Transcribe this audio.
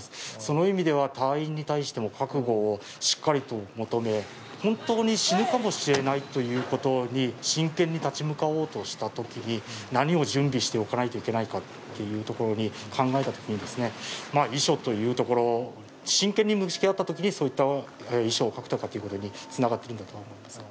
その意味では隊員に対しても覚悟をしっかりと求め本当に死ぬかもしれないということに真剣に立ち向かおうとした時に何を準備しておかないといけないかって考えた時に遺書というところ真剣に向き合った時に遺書を書くとかっていうことにつながってるんだと思いますね